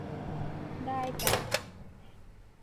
ได้จ๊ะ